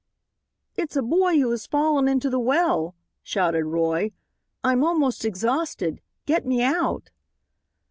"It's a boy who has fallen into the well," shouted Roy. "I'm almost exhausted. Get me out."